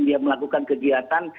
dia melakukan kegiatan